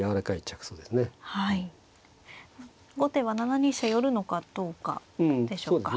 後手は７二飛車寄るのかどうかでしょうか。